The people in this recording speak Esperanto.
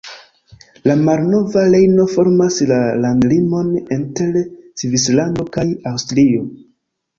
La Malnova Rejno formas la landlimon inter Svislando kaj Aŭstrio.